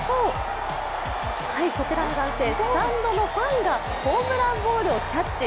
こちらの男性、スタンドのファンがホームランボールをキャッチ。